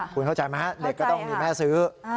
คุณเข้าใจไหมฮะเด็กก็ต้องมีแม่ซื้อ